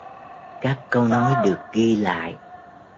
Các câu nói được ghi lại